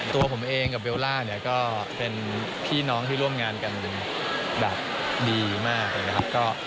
ตัวผมเองกับเบลล่าก็เป็นพี่น้องที่ร่วงงานกันแบบดีมาก